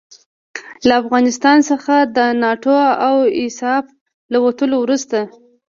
له افغانستان څخه د ناټو او ایساف له وتلو وروسته.